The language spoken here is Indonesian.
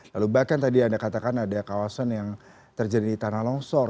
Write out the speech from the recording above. lalu bahkan tadi anda katakan ada kawasan yang terjadi di tanah longsor